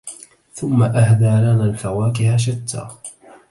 ثم أهدى لنا الفواكه شتّى